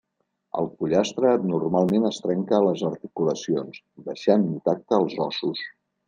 El pollastre normalment es trenca a les articulacions, deixant intacte els ossos.